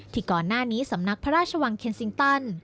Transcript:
ก่อนหน้านี้สำนักพระราชวังเคนซิงตัน